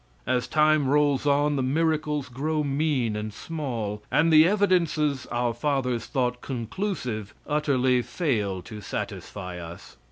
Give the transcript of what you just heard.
As time rolls on, the miracles grow mean and small, and the evidences our fathers thought conclusive utterly fail to satisfy us.